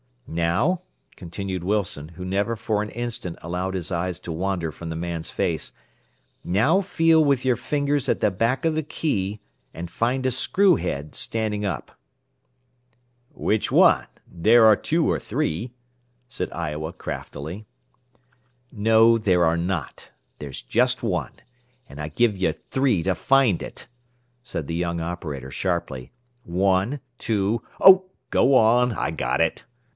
"Now," continued Wilson, who never for an instant allowed his eyes to wander from the man's face, "now feel with your fingers at the back of the key, and find a screw head, standing up." "Which one? There are two or three," said Iowa craftily. "No, there are not. There's just one. And I give you 'three' to find it," said the young operator sharply. "One, two " "Oh, go on! I got it!"